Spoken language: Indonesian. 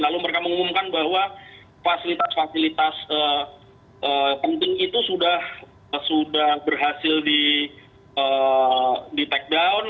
lalu mereka mengumumkan bahwa fasilitas fasilitas penting itu sudah berhasil di take down